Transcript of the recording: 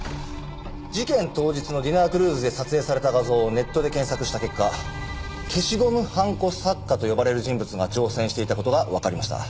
事件当日のディナークルーズで撮影された画像をネットで検索した結果消しゴムはんこ作家と呼ばれる人物が乗船していた事がわかりました。